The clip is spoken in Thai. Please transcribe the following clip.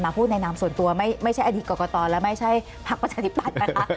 มาพูดแนะนำส่วนตัวไม่ใช่อดีตกรกตรและไม่ใช่ผักประจัดิบัตรนะคะ